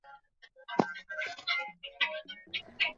au muathirika au ndugu zao hawataki kufungua mashtaka